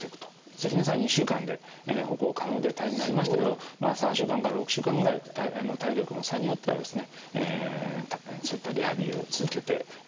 関根さんは２週間で歩行可能で退院になりましたけど３週間から６週間ぐらい体力の差によってはですねそういったリハビリを続けて自宅に帰られる方もいらっしゃる。